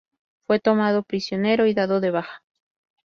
Fue tomado prisionero y dado de baja.